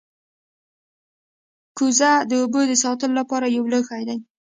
کوزه د اوبو د ساتلو لپاره یو لوښی دی